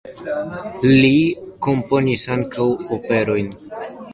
Li komponis ankaŭ operojn.